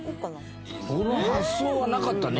この発想はなかったね